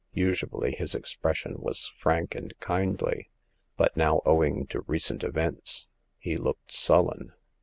Usually his expression was frank and kindly, but now, owing to recent events, he looked sullen.